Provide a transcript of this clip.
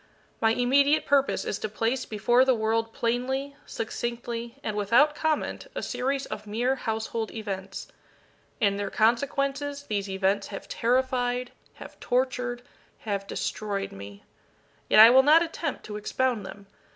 My immediate purpose is to place before the world plainly, succinctly, and without comment, a series of mere household events. In their consequences these events have terrified have tortured have destroyed me. Yet I will not attempt to expound them.